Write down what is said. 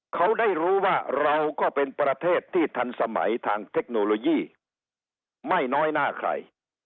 เขาได้รู้ว่าเราก็เป็นประเทศที่ทันสมัยทางเทคโนโลยีไม่น้อยหน้าใคร